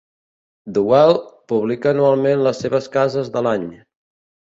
"Dwell" publica anualment les seves cases de l'any.